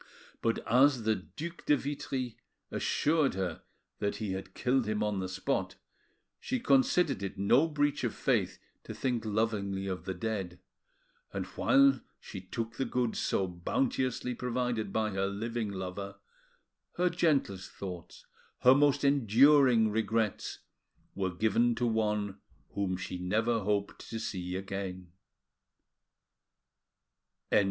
But as the Due de Vitry assured her that he had killed him on the spot, she considered it no breach of faith to think lovingly of the dead, and while she took the goods so bounteously provided by her living lover, her gentlest thoughts, her most enduring regrets, were given to one whom she never hoped to see again.